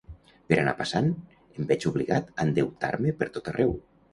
Per anar passant, em veig obligat a endeutar-me pertot arreu;